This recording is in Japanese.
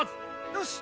よし！